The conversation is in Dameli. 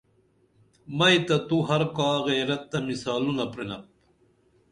مئی تہ تو ہر کا غیرت تہ مثالونہ پرنپ